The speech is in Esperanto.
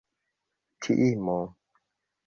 timo